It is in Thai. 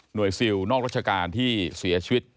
หน่วยซิลนอกรัชการที่เสียชีวิต